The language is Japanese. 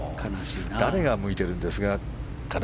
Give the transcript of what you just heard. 誰が向いてるんですかね